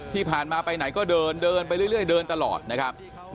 ที่ผ่านมาไปไหนก็เดินเดินไปเรื่อยเดินตลอดนะครับ